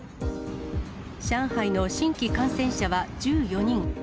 上海の新規感染者は１４人。